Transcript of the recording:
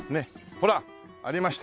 ほらありました